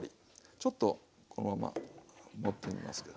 ちょっとこのまま盛ってみますけど。